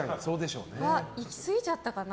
いきすぎちゃったかな？